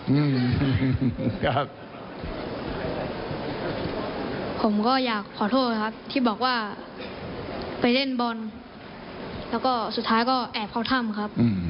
อืมอยากผมก็อยากขอโทษครับที่บอกว่าไปเล่นบอลแล้วก็สุดท้ายก็แอบเข้าถ้ำครับ